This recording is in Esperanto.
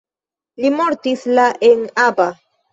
Li mortis la en Aba.